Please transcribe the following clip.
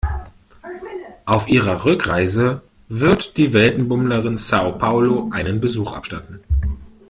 Auf ihrer Rückreise wird die Weltenbummlerin Sao Paulo einen Besuch abstatten.